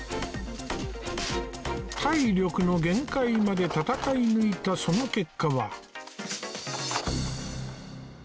体力の限界まで戦い抜いたその結果は